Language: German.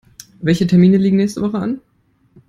Welche Termine liegen nächste Woche an?